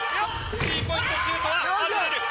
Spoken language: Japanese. スリーポイントシュートは外れる。